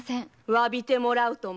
詫びてもらうとも。